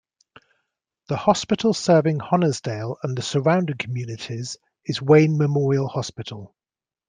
The hospital serving Honesdale and the surrounding communities is Wayne Memorial Hospital.